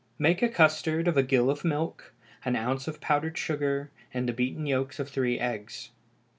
_ Make a custard of a gill of milk, an ounce of powdered sugar, and the beaten yolks of three eggs.